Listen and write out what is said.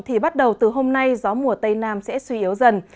thì bắt đầu từ hôm nay gió mùa tây nam sẽ suy yếu dần